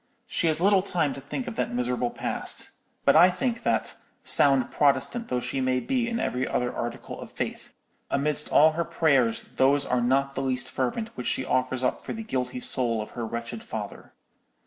She has little time to think of that miserable past; but I think that, sound Protestant though she may be in every other article of faith, amidst all her prayers those are not the least fervent which she offers up for the guilty soul of her wretched father.